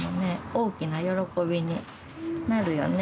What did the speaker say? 大きな喜びになるよね